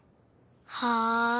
はい。